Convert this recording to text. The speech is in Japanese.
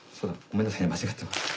ごめんなさいね間違ってました。